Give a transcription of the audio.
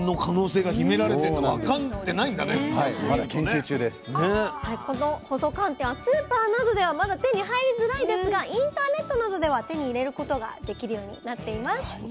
はいこの細寒天はスーパーなどではまだ手に入りづらいですがインターネットなどでは手に入れることができるようになっています。